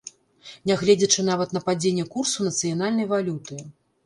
Нягледзячы нават на падзенне курсу нацыянальнай валюты.